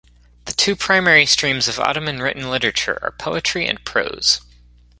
The two primary streams of Ottoman written literature are poetry and prose.